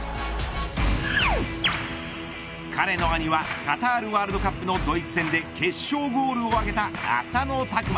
彼の兄はカタールワールドカップのドイツ戦で決勝ゴールを挙げた浅野拓磨。